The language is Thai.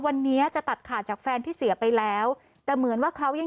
วันนี้จะตัดขาดจากแฟนที่เสียไปแล้วแต่เหมือนว่าเขายัง